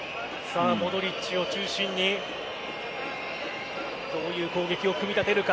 モドリッチを中心にどういう攻撃を組み立てるか。